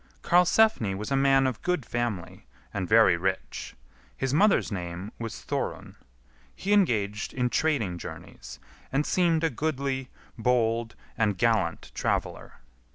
Karlsefni was a man of good family, and very rich. His mother's name was Thorun. He engaged in trading journeys, and seemed a goodly, bold, and gallant traveller.